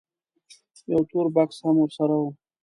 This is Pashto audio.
یو تور بکس هم ورسره و.